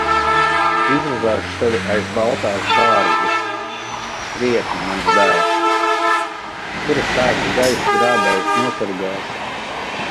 Izvazāšu tevi aiz baltās bārzdas. Krietni, mans dēls. Kur es tādus gaisa grābējus nosargāšu!